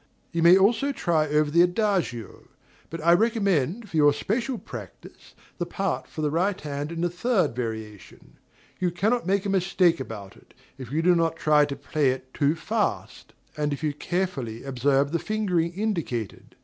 You may also try over the adagio; but I recommend for your special practice the part for the right hand in the third variation. You cannot make a mistake about it, if you do not try to play it too fast, and if you carefully observe the fingering indicated.